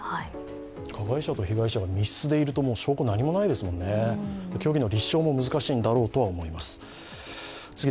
加害者と被害者が密室でいるともう証拠も何もないですもんね、虚偽の立証も難しいんだろうと思います。